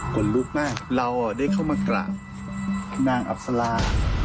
คนลุกมากเราได้เข้ามากราบนางอับสลา